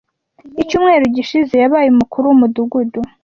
Icyumweru gishize yabaye umukuru w’umudugudu